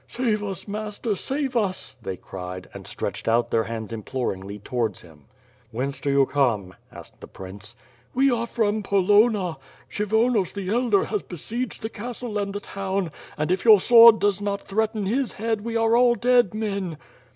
"Save us, master, save us," they cried and stretched out their hands implor ingly towards him. "Whence do you come?" asked the prince. "We are from Polonna. Kshyvonos the elder has besieged the castle and the town, and if your sword does not threaten his head we are all dead men."